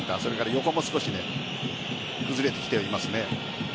横も少し崩れてきていますね。